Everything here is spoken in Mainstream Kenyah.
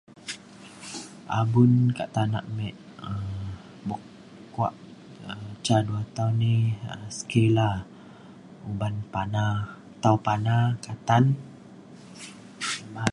abun ka tanak me um bok kuak um ca dua tau ni skila uban pana tau pana katan [unintelligible]